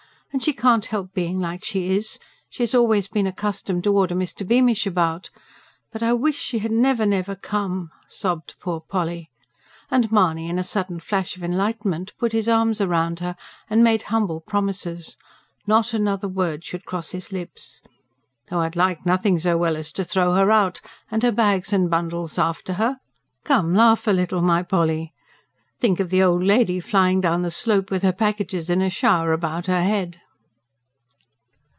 And she can't help being like she is she has always been accustomed to order Mr. Beamish about. But I wish she had never, never come," sobbed poor Polly. And Mahony, in a sudden flash of enlightenment, put his arms round her, and made humble promises. Not another word should cross his lips! "Though I'd like nothing so well as to throw her out, and her bags and bundles after her. Come, laugh a little, my Polly. Think of the old lady flying down the slope, with her packages in a shower about her head!"